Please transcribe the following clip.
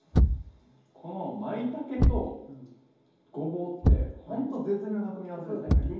このまいたけとごぼうってほんと絶妙な組み合わせですよね。